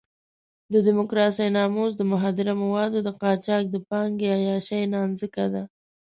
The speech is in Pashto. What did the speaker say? د ډیموکراسۍ ناموس د مخدره موادو د قاچاق د پانګې عیاشۍ نانځکه ده.